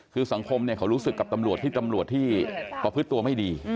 คือสังคมเขารู้สึกกับตำรวจที่ประพฤตัวไม่ดี